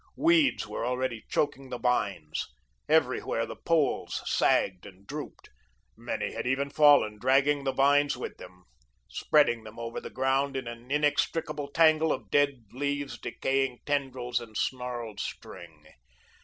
Weeds were already choking the vines. Everywhere the poles sagged and drooped. Many had even fallen, dragging the vines with them, spreading them over the ground in an inextricable tangle of dead leaves, decaying tendrils, and snarled string.